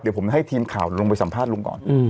เดี๋ยวผมให้ทีมข่าวลงไปสัมภาษณลุงก่อน